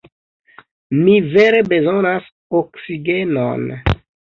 Mi vere bezonas oksigenon.